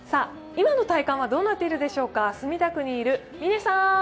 今の体感はどうなっているでしょうか、墨田区にいる嶺さん。